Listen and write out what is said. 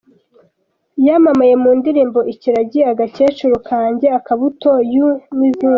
Yamamaye mu ndirimbo ‘Ikiragi’ , ‘Agakecuru kanjye’, ‘Akabuto’, ’You’, n’izindi.